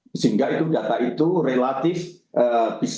sehingga itu data itu relatif bisa